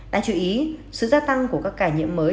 đáng chú ý sự gia tăng của các ca nhiễm mới